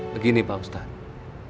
begini pak ustaz